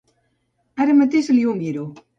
Ara mateix li ho miro.